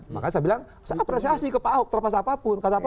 makanya saya bilang saya apresiasi ke pak ahok terlepas apapun